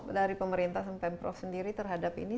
dari pemerintah dan pemprov sendiri terhadap ini